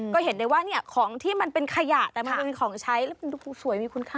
ก็เห็นได้ว่าเนี่ยของที่มันเป็นขยะแต่มันเป็นของใช้แล้วมันดูสวยมีคุณค่า